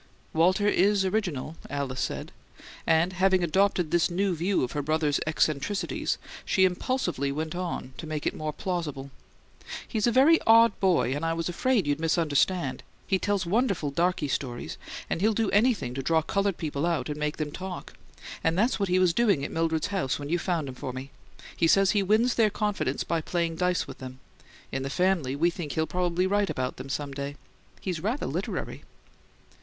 "Walter IS original," Alice said; and, having adopted this new view of her brother's eccentricities, she impulsively went on to make it more plausible. "He's a very odd boy, and I was afraid you'd misunderstand. He tells wonderful 'darky stories,' and he'll do anything to draw coloured people out and make them talk; and that's what he was doing at Mildred's when you found him for me he says he wins their confidence by playing dice with them. In the family we think he'll probably write about them some day. He's rather literary."